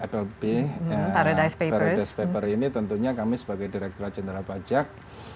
flp paradise papers ini tentunya kami sebagai direktur acindara pajak